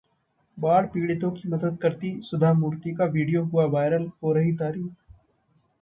बाढ़ पीड़ितों की मदद करतीं सुधा मूर्ति का वीडियो हुआ वायरल, हो रही तारीफ